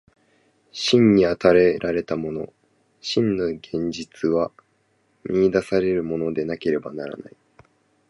真に与えられたもの、真の現実は見出されるものでなければならない。